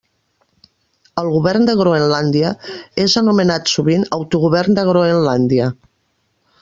El govern de Groenlàndia és anomenat sovint autogovern de Groenlàndia.